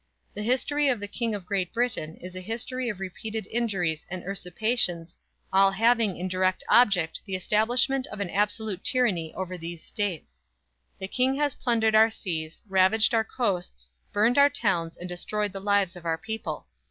"The history of the King of Great Britain is a history of repeated injuries and usurpations, all having in direct object the establishment of an absolute tyranny over these States." "The King has plundered our seas, ravaged our coasts, burned our towns and destroyed the lives of our people."